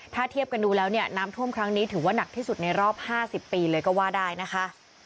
ถ้าเทียบกันดูแล้วเนี่ยน้ำท่วมครั้งนี้ถือว่าหนักที่สุดในรอบ๕๐ปีเลยก็ว่าได้นะคะ